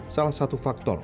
salah satu faktor